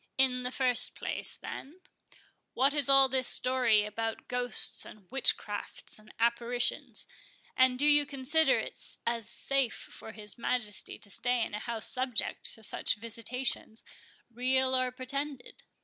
"In the first place, then, what is all this story about ghosts, and witch crafts, and apparitions? and do you consider it as safe for his Majesty to stay in a house subject to such visitations, real or pretended?"